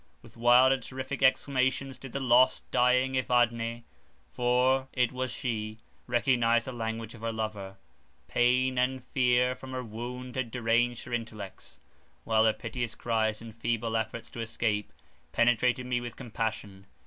With wild and terrific exclamations did the lost, dying Evadne (for it was she) recognize the language of her lover; pain and fever from her wound had deranged her intellects, while her piteous cries and feeble efforts to escape, penetrated me with compassion.